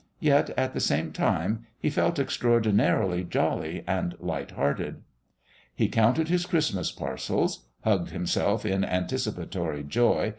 Yet, at the same time, he felt extraordinarily jolly and light hearted.... He counted his Christmas parcels ... hugged himself in anticipatory joy